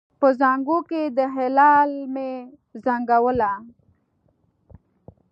په زانګو کې د هلال مې زنګوله